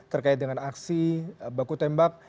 terkait dengan aksi baku tembak